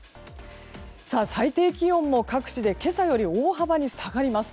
最低気温も各地で今朝より大幅に下がります。